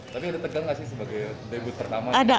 tapi ada tegang gak sih sebagai debut pertama